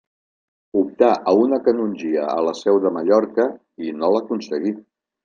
Optà a una canongia a la Seu de Mallorca i no l'aconseguí.